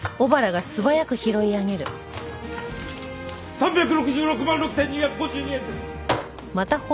３６６万６２５２円です。